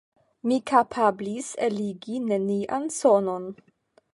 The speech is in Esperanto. Mi kapablis eligi nenian sonon.